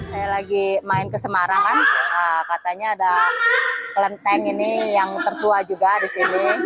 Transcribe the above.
saya lagi main ke semarang kan katanya ada kelenteng ini yang tertua juga di sini